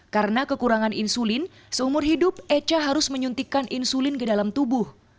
karena kekurangan insulin seumur hidup echa harus menyuntikkan insulin ke dalam tubuh